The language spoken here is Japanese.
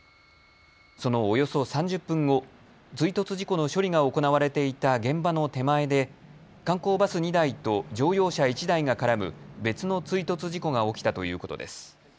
そのおよそ３０分後、追突事故の処理が行われていた現場の手前で観光バス２台と乗用車１台が絡む別の追突事故が起きたということです。